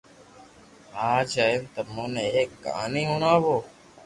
آج ھين تمو ني ايڪ ڪہاني ھڻاوو